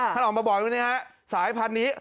ท่านออกมาบอกว่าสายพันธุ์นี้